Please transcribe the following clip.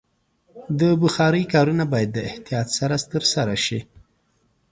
د بخارۍ کارونه باید د احتیاط سره ترسره شي.